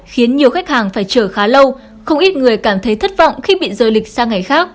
khiến nhiều khách hàng phải chở khá lâu không ít người cảm thấy thất vọng khi bị rời lịch sang ngày khác